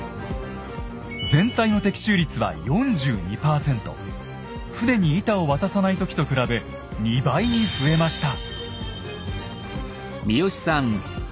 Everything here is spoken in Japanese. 全体の船に板を渡さない時と比べ２倍に増えました。